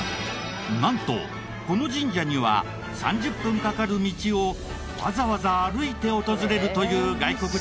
なんとこの神社には３０分かかる道をわざわざ歩いて訪れるという外国人も多かった。